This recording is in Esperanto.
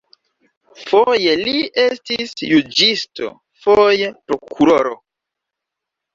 Foje li estis juĝisto, foje prokuroro.